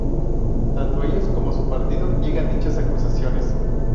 Tanto ellos como su partido niegan dichas acusaciones.